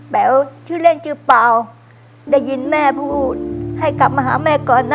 แป๋วชื่อเล่นชื่อเปล่าได้ยินแม่พูดให้กลับมาหาแม่ก่อนนะ